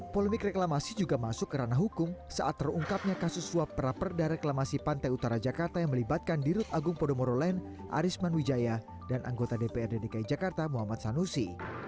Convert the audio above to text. polemik reklamasi juga masuk ke ranah hukum saat terungkapnya kasus suap peraperdah reklamasi pantai utara jakarta yang melibatkan dirut agung podomoro land arisman wijaya dan anggota dprd dki jakarta muhammad sanusi